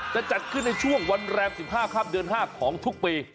จะจัดขึ้นในช่วงวันแรมสิบห้าข้ามเดือนห้าของทุกปี